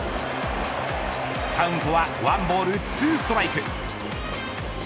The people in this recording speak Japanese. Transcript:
カウントはワンボールツーストライク。